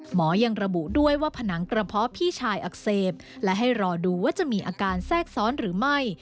หมอยังระบุด้วยว่าผนังกระเพาะพี่ชายอักเสบและให้รอดูว่าจะมีอาการแทรกซ้อนหรือไม่